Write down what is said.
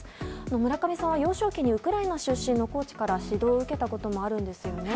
村上さんは幼少期にウクライナ出身のコーチから指導を受けたこともあるんですよね。